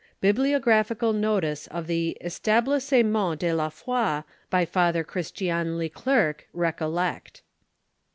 li BIBLIOGRAPHICAL NOTICE or THE "ETABLISSEMENT DE LA FOI," "U.; ij i',» BY FATHER CHRISTIAN LE CLERCQ, RECOLLECT.